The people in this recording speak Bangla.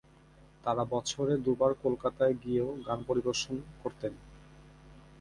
তাঁরা বছরে দু বার কলকাতায় গিয়েও গান পরিবেশন করতেন।